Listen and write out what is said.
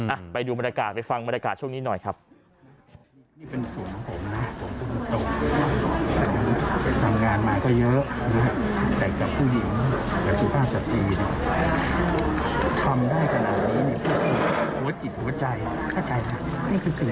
อ่ะไปดูมาตรกาปราสตร์เผ้าวัดฟังเท่าไหร่ด้วยครับ